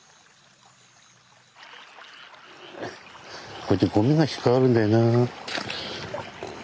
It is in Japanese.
こうやってゴミが引っ掛かるんだよな。